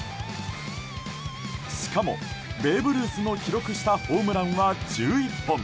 しかもベーブ・ルースの記録したホームランは１１本。